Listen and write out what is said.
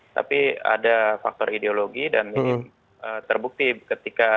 tapi ada faktor ideologi dan minim terbukti ketika